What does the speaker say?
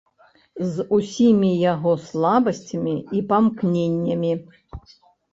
З усімі яго слабасцямі і памкненнямі.